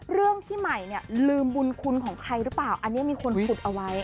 เรื่องที่ใหม่เนี่ยลืมบุญคุณของใครหรือเปล่าอันนี้มีคนขุดเอาไว้